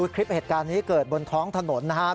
คลิปเหตุการณ์นี้เกิดบนท้องถนนนะครับ